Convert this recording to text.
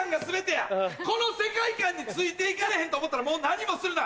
この世界観についていかれへんと思ったらもう何もするな。